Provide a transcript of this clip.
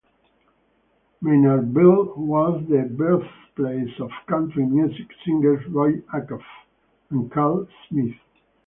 Maynardville was the birthplace of country music singers Roy Acuff and Carl Smith.